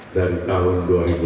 dari tahun dua ribu delapan belas